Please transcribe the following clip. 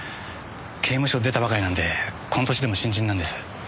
刑務所出たばかりなんでこの歳でも新人なんです。